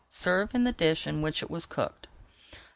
Serve in the dish in which it was cooked.